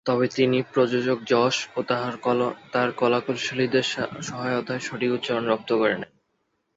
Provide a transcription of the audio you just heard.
তবে তিনি প্রযোজক যশ জোহর ও তার কলাকুশলীদের সহায়তায় সঠিক উচ্চারণ রপ্ত করে নেন।